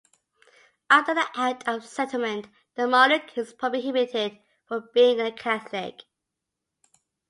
Under the Act of Settlement, the monarch is prohibited from being a Catholic.